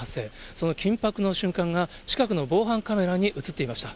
その緊迫の瞬間が近くの防犯カメラに写っていました。